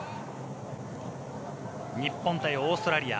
日本対オーストラリア。